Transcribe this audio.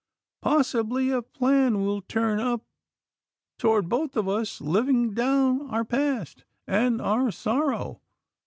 Possibly a plan will turn up toward both of us living down our past, and our sorrow."